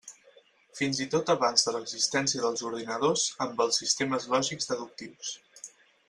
Fins i tot abans de l'existència dels ordinadors amb els sistemes lògics deductius.